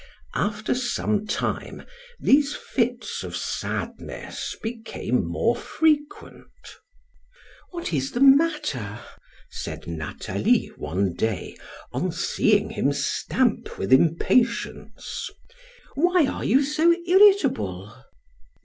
After some time, these fits of sadness became more frequent. "What is the matter?" asked Nathalie one day, on seeing him stamp with impatience. "Why are you so irritable?"